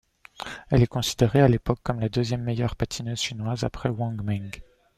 Elle est considérée à l'époque comme la deuxième meilleure patineuse chinoise après Wang Meng.